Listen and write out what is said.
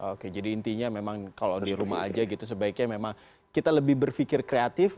oke jadi intinya memang kalau di rumah aja gitu sebaiknya memang kita lebih berpikir kreatif